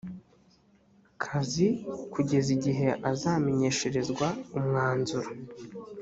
kazi kugeza igihe azamenyesherezwa umwanzuro